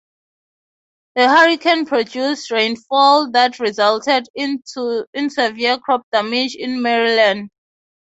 The hurricane produced rainfall that resulted in severe crop damage in Maryland.